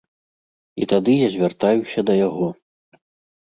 І тады я звяртаюся да яго.